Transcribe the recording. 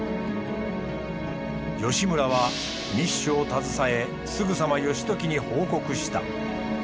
義村は密書を携さえすぐさま義時に報告した。